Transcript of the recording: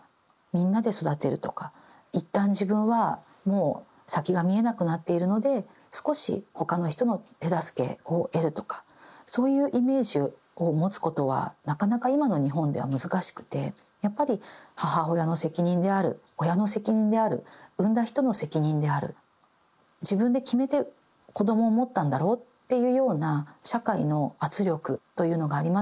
みんなで育てるとか一旦自分はもう先が見えなくなっているので少し他の人の手助けを得るとかそういうイメージを持つことはなかなか今の日本では難しくてやっぱり母親の責任である親の責任である産んだ人の責任である自分で決めて子どもを持ったんだろうっていうような社会の圧力というのがありますので。